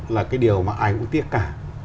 là cái điều mà ai cũng tiếc cả